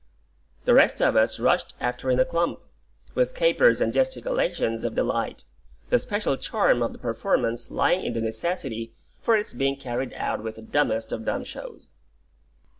The rest of us rushed after in a clump, with capers and gesticulations of delight; the special charm of the performance lying in the necessity for its being carried out with the dumbest of dumb shows.